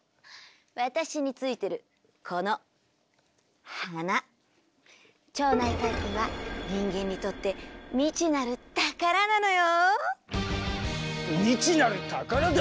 私についてるこの花腸内細菌は人間にとって未知なる宝なのよ。